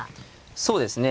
そうですね。